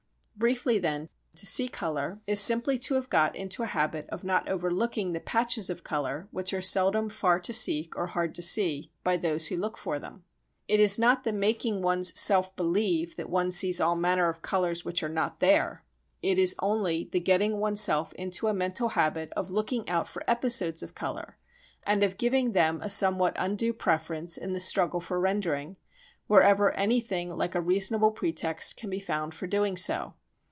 Briefly then, to see colour is simply to have got into a habit of not overlooking the patches of colour which are seldom far to seek or hard to see by those who look for them. It is not the making one's self believe that one sees all manner of colours which are not there, it is only the getting oneself into a mental habit of looking out for episodes of colour, and of giving them a somewhat undue preference in the struggle for rendering, wherever anything like a reasonable pretext can be found for doing so.